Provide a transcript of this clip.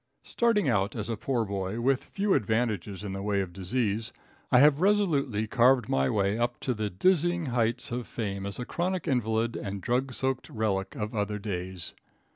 Starting out as a poor boy, with few advantages in the way of disease, I have resolutely carved my way up to the dizzy heights of fame as a chronic invalid and drug soaked relic of other days.